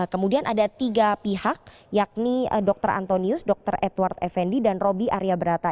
kemudian ada tiga pihak yakni dr antonius dr edward effendi dan robby arya berata